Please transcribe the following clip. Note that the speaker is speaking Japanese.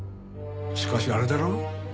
しかしあれだろ？